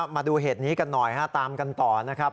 มาดูเหตุนี้กันหน่อยตามกันต่อนะครับ